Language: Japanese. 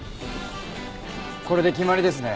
これで決まりですね。